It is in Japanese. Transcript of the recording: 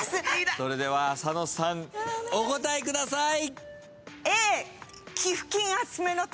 それでは浅野さんお答えください。